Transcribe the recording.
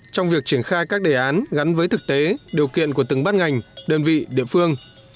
trong việc triển khai các đề án gắn với thực tế điều kiện của từng ban ngành đơn vị địa phương